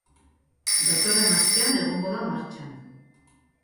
Datorren astean egongo da martxan.